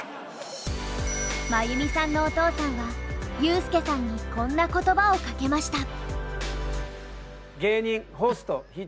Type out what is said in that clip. まゆみさんのお父さんはユースケさんにこんな言葉をかけました。